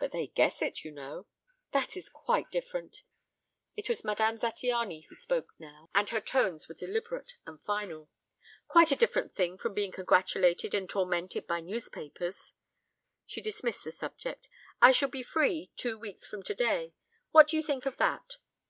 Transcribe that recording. "But they guess it, you know." "That is quite different." It was Madame Zattiany who spoke now and her tones were deliberate and final. "Quite a different thing from being congratulated, and tormented by newspapers." She dismissed the subject. "I shall be free two weeks from today. What do you think of that?"